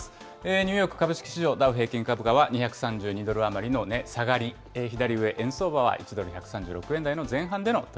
ニューヨーク株式市場、ダウ平均株価は２３２ドル余りの値下がり、左上、円相場は１ドル１３６円台